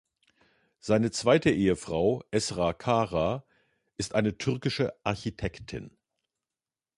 Seine zweite Ehefrau Esra Kara ist eine türkische Architektin.